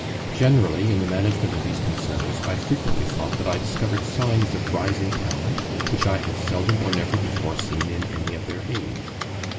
Generally, in the management of these concerns, I frequently thought that I discovered signs of rising talent, which I had seldom or never before seen in any of their age